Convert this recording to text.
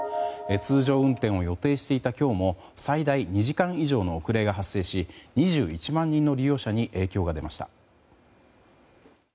通常運転を予定していた今日も最大２時間以上の遅れが発生し２１万人の利用者に影響が出ました。